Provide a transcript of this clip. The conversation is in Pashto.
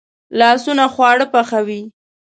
لاسونه خواړه پخوي